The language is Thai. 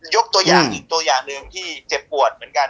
ยกตัวอย่างอีกตัวอย่างหนึ่งที่เจ็บปวดเหมือนกัน